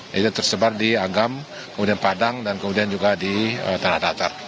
jadi tersebar di agam kemudian padang dan kemudian juga di tanah latar